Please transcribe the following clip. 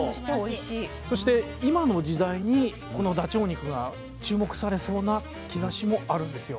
そして今の時代にこのダチョウ肉が注目されそうな兆しもあるんですよ。